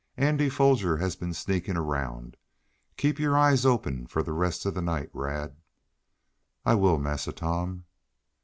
"Andy Foger has been sneaking around. Keep your eyes open the rest of the night, Rad." "I will, Massa Tom."